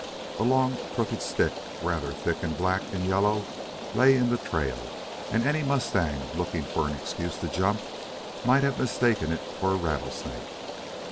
A long, crooked stick, rather thick and black and yellow, lay in the trail, and any mustang looking for an excuse to jump might have mistaken it for a rattlesnake.